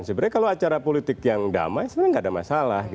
sebenarnya kalau acara politik yang damai sebenarnya nggak ada masalah